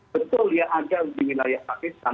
betul dia ada di wilayah pakistan